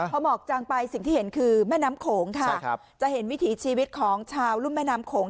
พอหมอกจังไปสิ่งที่เห็นคือแม่น้ำโขงค่ะจะเห็นวิถีชีวิตของชาวรุ่นแม่น้ำโขง